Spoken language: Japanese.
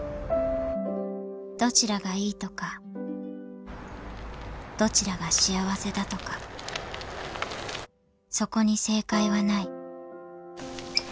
［どちらがいいとかどちらが幸せだとかそこに正解はない］